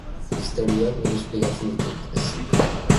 Istorioak nik esplikatzen ditut, ez zuk.